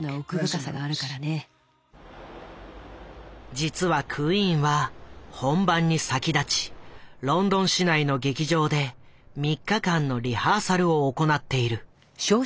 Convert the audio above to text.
実はクイーンは本番に先立ちロンドン市内の劇場で３日間のリハーサルを行っている。